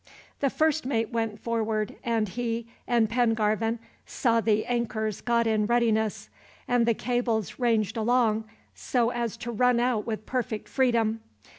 The first mate went forward, and he and Pengarvan saw the anchors got in readiness, and the cables ranged along, so as to run out with perfect freedom.